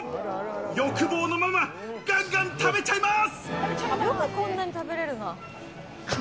欲望のまま、ガンガン食べちゃいます！